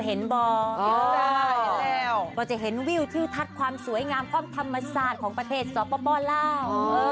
เห็นวิวที่ทัดความสวยงามความธรรมศาสตร์ของประเทศสปล่าว